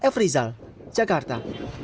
f rizal jakarta